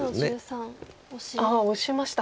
ああオシました。